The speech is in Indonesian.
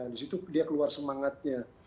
di situ dia keluar semangatnya